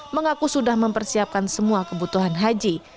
mengaku sudah mempersiapkan semua kebutuhan haji